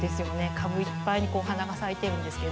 株いっぱいにお花が咲いてるんですけど。